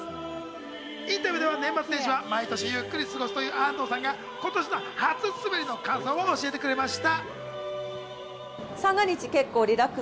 インタビューでは年末年始は毎年ゆっくり過ごすという安藤さんが今年の初滑りの感想を教えてくれました。